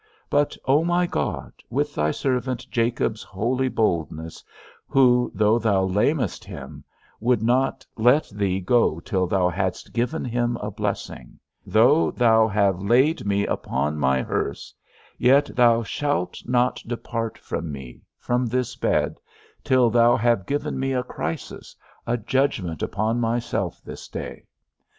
But, O my God, with thy servant Jacob's holy boldness, who, though thou lamedst him, would not let thee go till thou hadst given him a blessing; though thou have laid me upon my hearse, yet thou shalt not depart from me, from this bed, till thou have given me a crisis, a judgment upon myself this day.